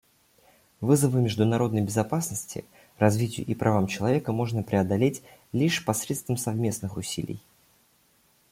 Вызовы международной безопасности, развитию и правам человека можно преодолеть лишь посредством совместных усилий.